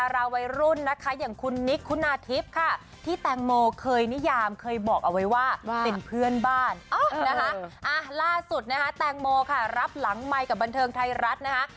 ล่าสุดคุณล่าสุดนะคะแตงโมค่ะรับหลังไมค์กับบันเทิงไทยรัฐนะคะ